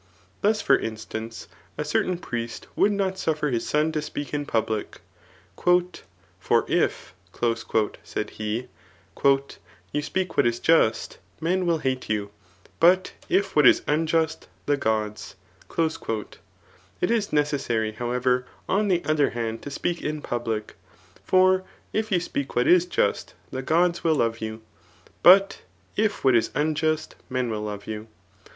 Thus for instance, a certain priest would not suiFer his son to speak in pufadic ^^ For if»'' said he, *^ you speak what is just, men will hate you ; but if what is unjust, the gods/' It is necessary, however, on the other hand, to speak in public* For if you speak what is just, the gods will love you ; but if what is un« just, men will love you.